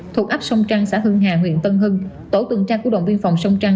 thuộc ấp sông trăng xã hưng hà huyện tân hưng tổ tuần tra của đồn biên phòng sông trăng